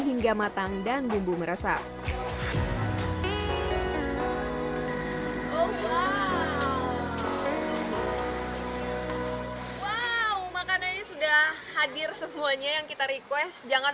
hingga matang dan bumbu meresap wow makanannya sudah hadir semuanya yang kita request jangan